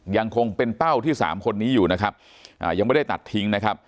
ยังคงเป็นเป้าที่สามคนนี้อยู่นะครับยังไม่ได้ตัดทิ้งนะครับ